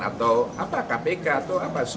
atau kpk atau apa